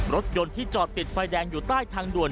รถยนต์ที่จอดติดไฟแดงอยู่ใต้ทางด่วน